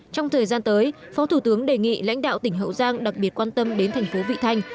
trong thời gian tới phó thủ tướng đề nghị lãnh đạo tỉnh hậu giang đặc biệt quan tâm đến thành phố vị thanh